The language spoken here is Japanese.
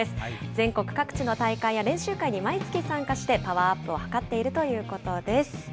全国各地の大会や練習会に毎月参加してパワーアップを図っているということです。